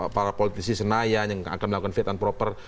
para politisi senayan yang akan melakukan fit and proper